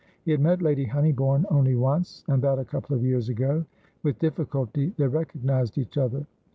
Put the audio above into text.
He had met Lady Honeybourne only once, and that a couple of years ago; with difficulty they recognised each other.